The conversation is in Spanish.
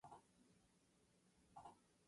Con una armónica esto se consigue de varias maneras.